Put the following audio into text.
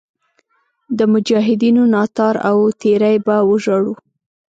د مجاهدینو ناتار او تېری به وژاړو.